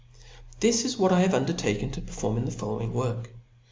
This is what I have undertaken to perform in the following work.